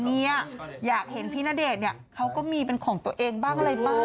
เนี่ยอยากเห็นพี่ณเดชน์เนี่ยเขาก็มีเป็นของตัวเองบ้างอะไรบ้าง